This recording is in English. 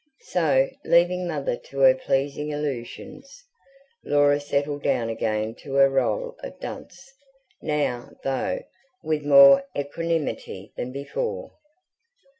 So, leaving Mother to her pleasing illusions, Laura settled down again to her role of dunce, now, though, with more equanimity than before.